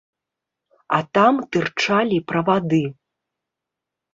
А там тырчалі правады.